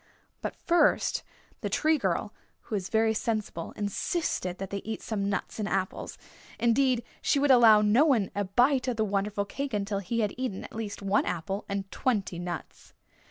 But first the Tree Girl, who is very sensible, insisted that they eat some nuts and apples. Indeed, she would allow no one a bite of the wonderful cake until he had eaten at least one apple and twenty nuts.